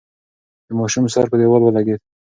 د ماشوم سر په دېوال ولگېد.